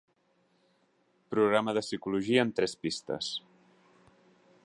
Programa de Psicologia amb tres pistes.